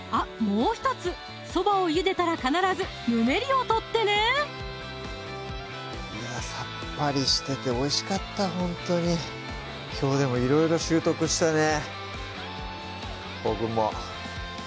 もう１つそばをゆでたら必ずぬめりを取ってねさっぱりしてておいしかったほんとにきょういろいろ習得したね